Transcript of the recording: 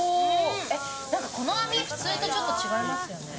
この網普通とちょっと違いますよね。